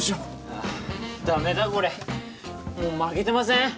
あぁだめだこれもう負けてません？